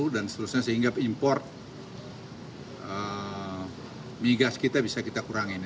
dan seluruhnya sehingga import migas kita bisa kita kurangin